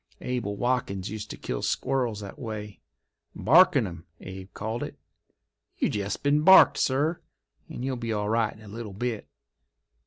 Abel Wadkins used to kill squirrels that way—barkin' 'em, Abe called it. You jest been barked, sir, and you'll be all right in a little bit.